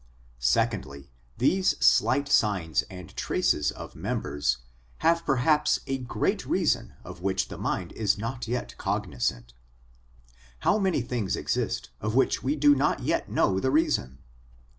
Secondly, these slight signs and traces of members have perhaps a great reason of which the mind is not yet cognisant. How many things exist of which we do not yet know the reason